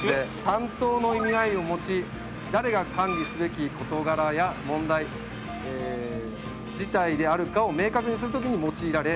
「担当の意味合いを持ち誰が管理すべき事柄や問題事態であるかを明確にする時に用いられ」